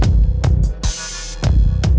janganlah those jeruk